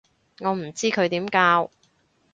我唔知佢點教